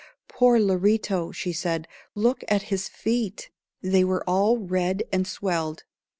"Poor Lorito," she said. "Look at his feet. They are all red and swelled.